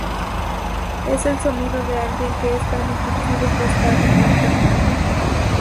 Es el sonido de alguien que es tan impulsivo que está demente.